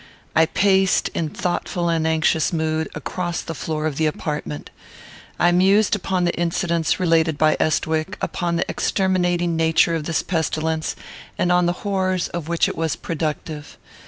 I paced, in thoughtful and anxious mood, across the floor of the apartment. I mused upon the incidents related by Estwick, upon the exterminating nature of this pestilence, and on the horrors of which it was productive.